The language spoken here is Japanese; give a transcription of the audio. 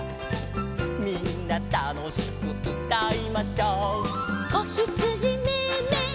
「みんなたのしくうたいましょ」「こひつじメエメエ